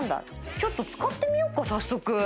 ちょっと使ってみようか早速。